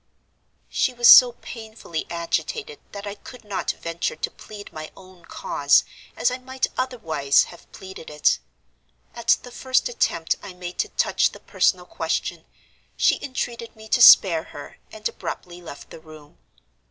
"She was so painfully agitated that I could not venture to plead my own cause as I might otherwise have pleaded it. At the first attempt I made to touch the personal question, she entreated me to spare her, and abruptly left the room.